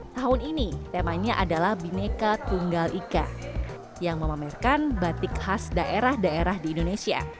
tahun ini temanya adalah bineka tunggal ika yang memamerkan batik khas daerah daerah di indonesia